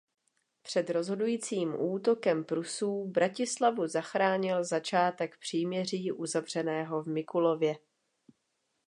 Před rozhodujícím útokem Prusů Bratislavu zachránil začátek příměří uzavřeného v Mikulově.